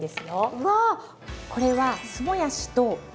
うわ！